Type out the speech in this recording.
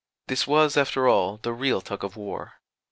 This was, after all, the real tug of war.